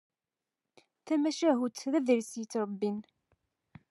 Tamacahut d aḍris yettrebbin.